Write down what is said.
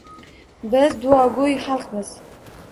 Biz duogo‘y xalqmiz.